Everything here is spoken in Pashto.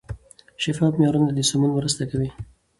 شفاف معیارونه د سمون مرسته کوي.